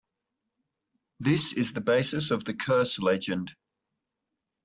This is the basis of the curse legend.